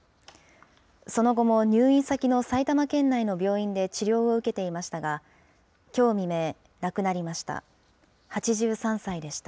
その後も入院先の埼玉県内の病院で治療を受けていましたが、きょう未明、亡くなりました。